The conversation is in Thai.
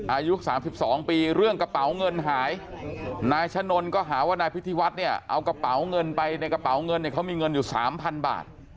อายุ๓๒ปีเรื่องกระเป๋าเงินหายนายชะนนก็หาว่านายพิธีวัฒน์เนี่ยเอากระเป๋าเงินไปในกระเป๋าเงินเนี่ยเขามีเงินอยู่๓๐๐บาท